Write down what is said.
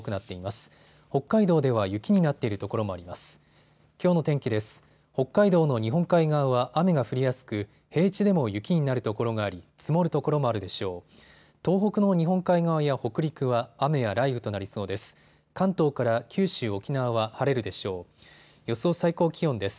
東北の日本海側や北陸は雨や雷雨となりそうです。